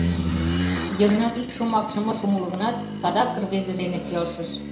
— Йыгнат ик шомакшым ыш умыло гынат, садан рвезе дене келшыш.